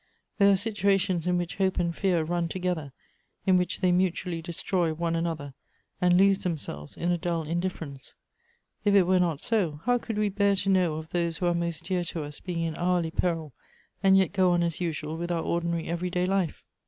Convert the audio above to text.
There are situations in which hope and fear run together, in which they mutually' destroy one another, and lose themselves in a dull indif ference. If it were not so, how could we bear to know of those who are most dear to us being in hourly peril, and yet go on as usual with our ordinary everyday life